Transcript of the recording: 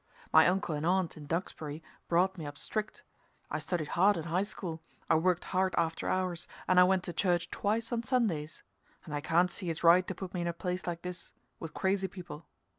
My uncle and aunt in Duxbury brought me up strict; I studied hard in high school, I worked hard after hours, and I went to church twice on Sundays, and I can't see it's right to put me in a place like this, with crazy people.